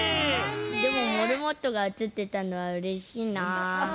でもモルモットがでてたのはうれしいな。